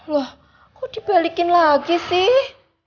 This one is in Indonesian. loh kok dibalikin lagi sih